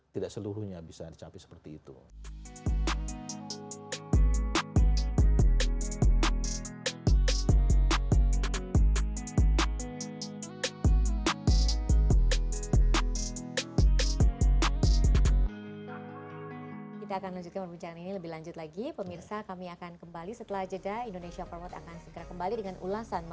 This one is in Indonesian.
tidak seluruhnya bisa dicapai seperti itu